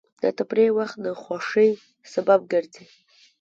د تفریح وخت د خوښۍ سبب ګرځي.